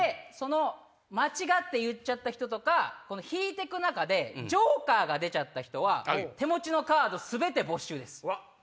間違って言っちゃった人とか引いてく中でジョーカーが出ちゃった人は手持ちのカード全て没収です。